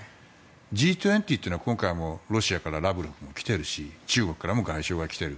Ｇ２０というのは今回ロシアからラブロフが来てるし中国からも外相が来ている。